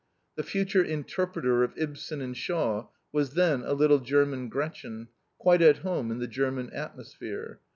The future interpreter of Ibsen and Shaw was then a little German Gretchen, quite at home in the German atmosphere.